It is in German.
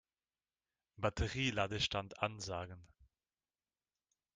Batterie-Ladestand ansagen.